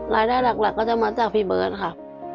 รายได้หลักก็จะมาจากพี่เบิร์ตค่ะ